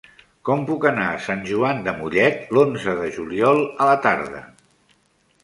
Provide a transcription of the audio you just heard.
Com puc anar a Sant Joan de Mollet l'onze de juliol a la tarda?